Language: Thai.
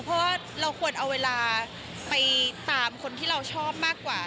เพราะว่าเราควรเอาเวลาไปตามคนที่เราชอบมากกว่า